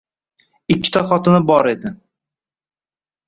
Ikkita xotini bor edi.